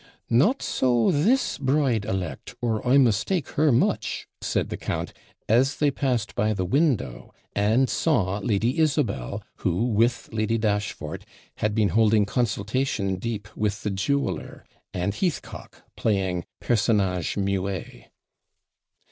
'Not so this bride elect, or I mistake her much,' said the count, as they passed by the window and saw Lady Isabel, who, with Lady Dashfort, had been holding consultation deep with the jeweller; and Heathcock, playing PERSONNAGE MUET.